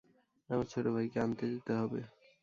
আমাকে ছোট ভাইকে আনতে যেতে হবে।